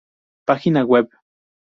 Página Web